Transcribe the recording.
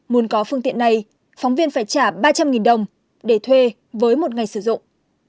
muốn có phương tiện này phóng viên phải trả ba trăm linh đồng để thuê với một ngày sử dụng